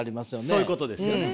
そういうことですよね。